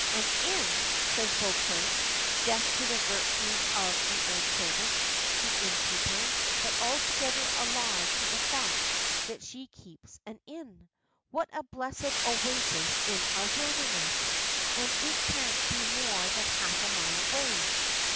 "An inn," says Beauclerk, deaf to the virtues of the old servant, the innkeeper, but altogether alive to the fact that she keeps an inn. "What a blessed oasis in our wilderness! And it can't be more than half a mile away.